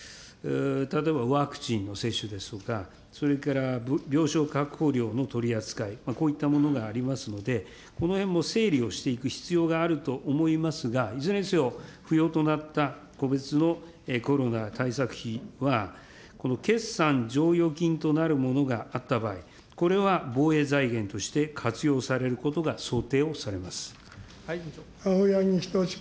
例えばワクチンの接種ですとか、それから病床確保りょうの取り扱い、こういったものがありますので、このへんも整理をしていく必要があると思いますが、いずれにせよ不要となった個別のコロナ対策費は、この決算剰余金となるものがあった場合、これは防衛財源として活用されることが想定をさ青柳仁士君。